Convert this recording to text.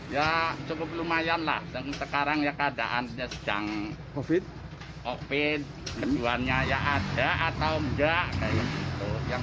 ya cukup lumayan lah sekarang keadaannya sejak covid sembilan belas kejuannya ya ada atau enggak